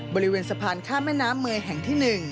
บริเวณสะพานข้ามแม่น้ำเมย์แห่งที่๑